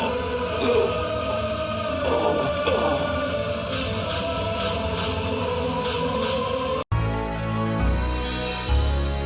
aku tidak akan kalah seperti ini